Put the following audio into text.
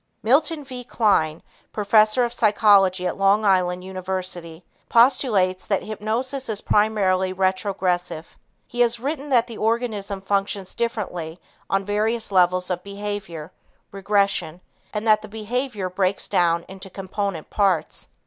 Milton V. Kline, professor of psychology at Long Island University, postulates that hypnosis is primarily retrogressive. He has written that the organism functions differently on various levels of behavior (regression), and that the behavior breaks down into component parts.